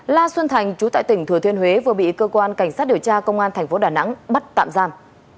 la xuân thành chú tại tỉnh thừa thiên huế vừa bị cơ quan cảnh sát điều tra công an thành phố đà nẵng bắt tạm giam